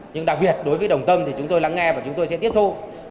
nhưng đặc biệt đối với đồng tâm thì chúng tôi lắng nghe và chúng tôi sẽ tiếp thu